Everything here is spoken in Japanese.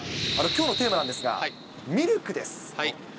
きょうのテーマなんですが、ミルクです。